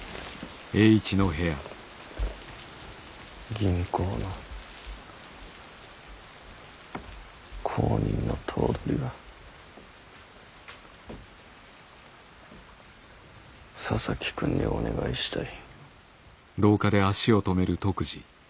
銀行の後任の頭取は佐々木君にお願いしたい。